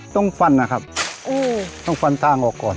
ต้องฟันนะครับต้องฟันทางออกก่อน